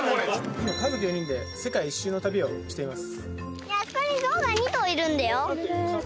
今家族４人で世界一周の旅をしています